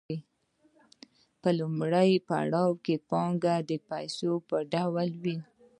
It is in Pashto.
په لومړي پړاو کې پانګه د پیسو په ډول وي